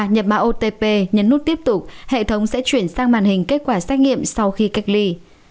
nhập mã otp nhấn nút tiếp tục hệ thống sẽ chuyển sang màn hình kết quả xét nghiệm sau khi cách ly